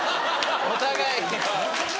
お互い。